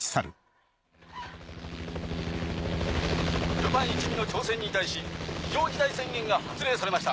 ルパン一味の挑戦に対し非常事態宣言が発令されました。